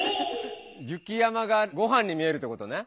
雪山がごはんに見えるってことね。